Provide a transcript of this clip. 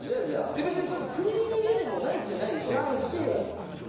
別にそいつ食い逃げでもないっちゃないし。